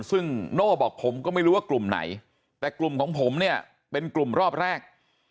ซึ่งโน่บอกผมก็ไม่รู้ว่ากลุ่มไหนแต่กลุ่มของผมเนี่ยเป็นกลุ่มรอบแรก